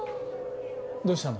どうしたの？